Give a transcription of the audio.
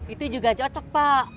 itu juga cocok pak